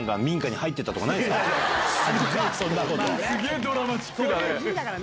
すげぇドラマチックだね。